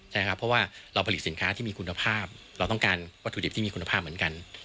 ใช่ครับเพราะว่าเราผลิตสินค้าที่มีคุณภาพเราต้องการวัตถุดิบที่มีคุณภาพเหมือนกัน